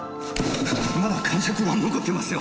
まだ感触が残ってますよ。